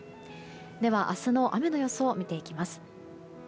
では、明日の雨の予想を見ていきます。